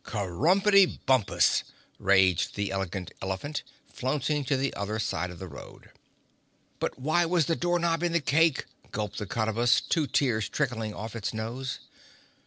"Kerumberty Bumpus!" raged the Elegant Elephant, flouncing to the other side of the road. "But why was the door knob in the cake?" gulped the Cottabus, two tears trickling off its nose.